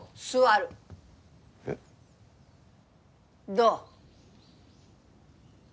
どう？